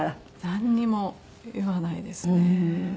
なんにも言わないですね。